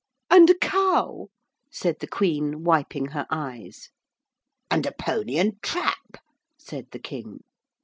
'And a cow,' said the Queen, wiping her eyes. 'And a pony and trap,' said the King.